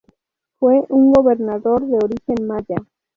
Fue un gobernador de origen maya.